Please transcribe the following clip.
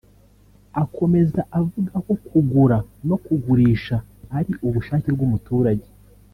Akomeza avuga ko kugura no kugurisha ari ubushake bw’umuturage